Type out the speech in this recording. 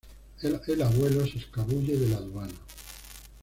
El Abuelo se escabulle de la aduana.